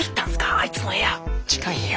あいつの部屋！近いよ。